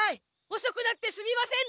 おそくなってすみません！